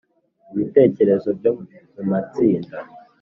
ibitekerezo byo mu matsinda